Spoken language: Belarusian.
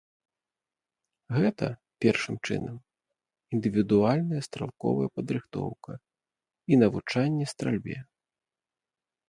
Гэта, першым чынам, індывідуальная стралковая падрыхтоўка і навучанне стральбе.